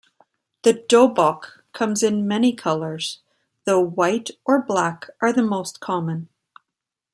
The dobok comes in many colours, though white or black are the most common.